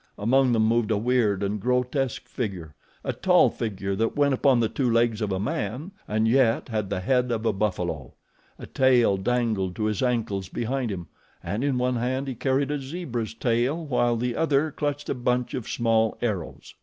Among them moved a weird and grotesque figure, a tall figure that went upon the two legs of a man and yet had the head of a buffalo. A tail dangled to his ankles behind him, and in one hand he carried a zebra's tail while the other clutched a bunch of small arrows.